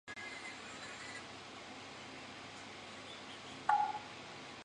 明末农民起义军将领。